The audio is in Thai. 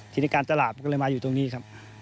ที่ในการตลาดมาอยู่ตรงนี้ค่ะ